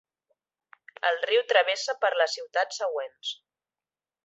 El riu travessa per les ciutats següents: